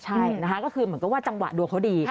ใช่นะคะก็คือเหมือนกับว่าจังหวะดวงเขาดี